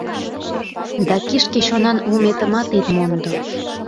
Да кишке чонан улметымат ит мондо.